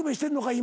今。